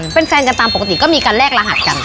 เป็นแฟนกันตามปกติก็มีการแลกรหัสกัน